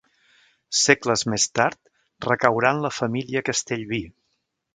Segles més tard, recaurà en la família Castellví.